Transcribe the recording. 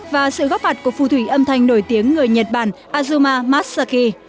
và sự góp mặt của phù thủy âm thanh nổi tiếng người nhật bản azuma masaki